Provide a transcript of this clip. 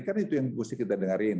kan itu yang mesti kita dengerin